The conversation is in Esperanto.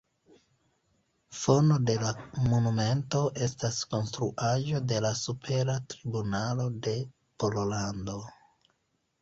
Fono de la monumento estas Konstruaĵo de la Supera Tribunalo de Pollando.